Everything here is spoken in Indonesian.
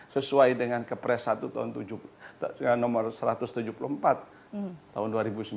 sesuai dengan kepres satu tahun nomor satu ratus tujuh puluh empat tahun dua ribu sembilan